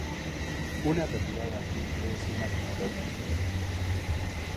Una retirada a tiempo es una victoria